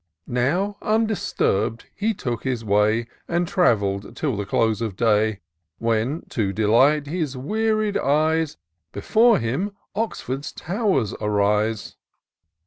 Now, undisturb'd, he took his way, And traveird till the close of day ; When, to delight his wearied eyes. Before him Oxford's tow'rs arise.